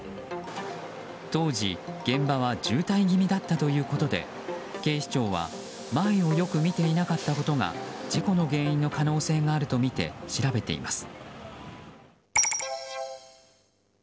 当時、現場は渋滞気味だったということで警視庁は前をよく見ていなかったことが事故の原因の可能性があるとみて調べています。